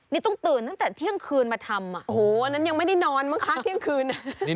นี่ต้องตื่นตั้งแต่เที่ยงคืนมาทำอ่ะโอ้โหอันนั้นยังไม่ได้นอนมั้งคะเที่ยงคืน